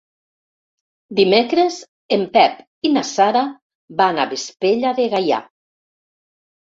Dimecres en Pep i na Sara van a Vespella de Gaià.